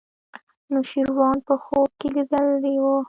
نوشیروان په خوب کې لیدلی و.